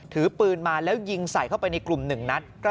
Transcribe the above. ถือปืนมาแล้วยิงใส่เข้าไปในกลุ่ม๑นัด